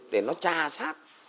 để nó tra sát